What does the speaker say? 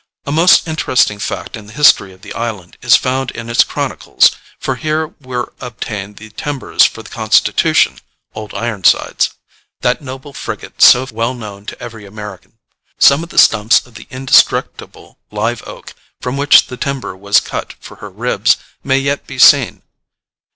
A most interesting fact in the history of the island is found in its chronicles, for here were obtained the timbers for the Constitution (Old Ironsides), that noble frigate so well known to every American. Some of the stumps of the indestructible live oak from which the timber was cut for her ribs may yet be seen.